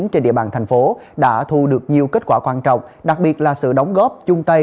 trên địa bàn thành phố đã thu được nhiều kết quả quan trọng đặc biệt là sự đóng góp chung tay